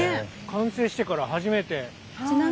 完成してから初めて。